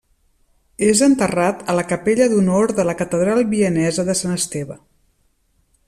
És enterrat a la capella d'honor de la catedral vienesa de Sant Esteve.